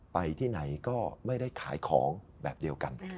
ไปที่ไหนก็ไม่ได้ขายของแบบเดียวกัน